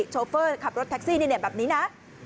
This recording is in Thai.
โชเฟอร์ขับรถแท็กซี่นี่แบบนี้นะ